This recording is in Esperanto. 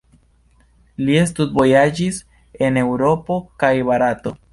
Li studvojaĝis en Eŭropo kaj Barato.